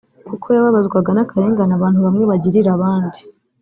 kuko yababazwaga n’akarengane abantu bamwe bagirira abandi